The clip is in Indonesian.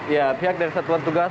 ya pihak dari satuan tugas